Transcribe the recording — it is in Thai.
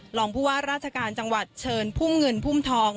รองผู้ว่าราชการจังหวัดเชิญพุ่มเงินพุ่มทอง